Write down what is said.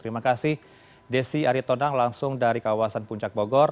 terima kasih desi aritonang langsung dari kawasan puncak bogor